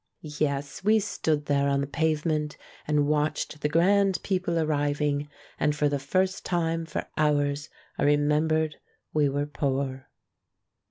Yes, we stood there on the pavement and watched the grand people ar riving ; and for the first time for hours I remem bered we were poor.